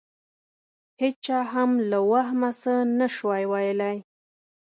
هېچا هم له وهمه څه نه شوای ویلای.